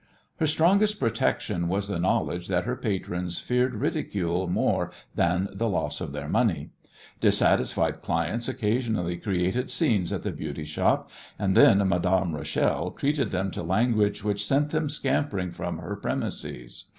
Her strongest protection was the knowledge that her patrons feared ridicule more than the loss of their money. Dissatisfied clients occasionally created scenes at the beauty shop, and then Madame Rachel treated them to language which sent them scampering from her premises.